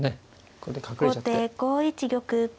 後手５一玉。